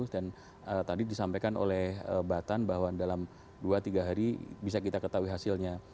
dan tadi disampaikan oleh batan bahwa dalam dua tiga hari bisa kita ketahui hasilnya